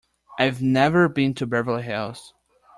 I've never been to Beverly Hills.